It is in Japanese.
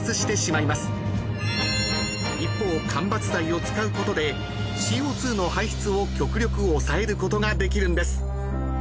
［一方間伐材を使うことでＣＯ２の排出を極力抑えることができるんです］